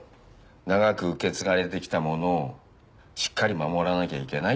長く受け継がれてきたものをしっかり守らなきゃいけない。